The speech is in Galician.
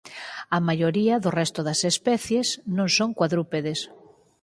A maioría do resto das especies non son cuadrúpedes.